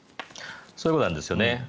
そうなんですね。